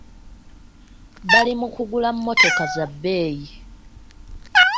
Bali mu kugula mmotoka za bbeeyi.